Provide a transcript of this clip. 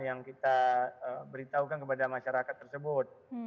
yang kita beritahukan kepada masyarakat tersebut